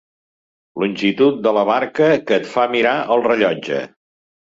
Longitud de la barca que et fa mirar el rellotge.